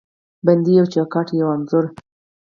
بندې یو چوکاټ، یوه انځور